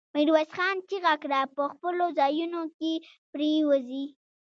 ميرويس خان چيغه کړه! په خپلو ځايونو کې پرېوځي.